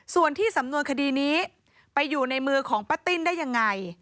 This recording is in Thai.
ส่วนที่สำนวนคดีนี้ไปอยู่ในมือของป้าติ้นได้ยังไง